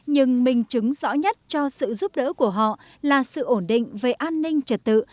nhưng minh chứng rõ nhất cho sự giúp đỡ của họ là sự ổn định về an ninh trật tự